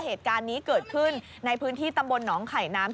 เหตุการณ์นี้เกิดขึ้นในพื้นที่ตำบลหนองไข่น้ำ